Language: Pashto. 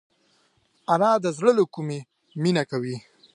انا د زړه له کومي مینه کوي